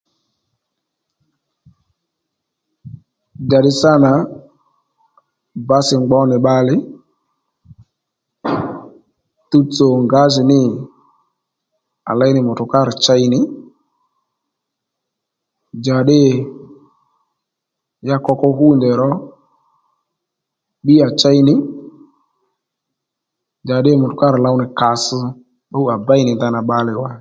Njàddí sâ nà bǎsì ngbo nì bbalè tuwtsò ngǎjìní nì à léy nì mùtùkárì chey nì njǎddǐ ya koko hwû ndèy ro ddí à chey nì njàddî mùtùkárì low nì kàss à béy nì ndanà bbalè wá